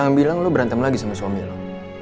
jangan bilang lu berantem lagi sama suami lu